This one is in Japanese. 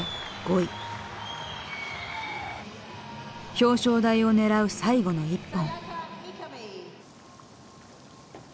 表彰台を狙う最後の１本。